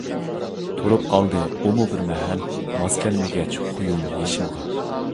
تۇرۇپ قالدى ئۇمۇ بىر مەھەل، ماس كەلمىگەچ خۇيۇم يېشىمغا.